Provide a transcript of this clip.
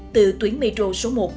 từ tuyến metro số một